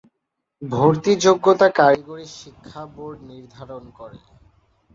ভর্তি যোগ্যতা কারিগরি শিক্ষা বোর্ড নির্ধারণ করে।